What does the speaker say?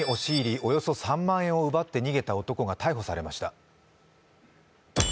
およそ３万円を奪って逃げた男が逮捕されました。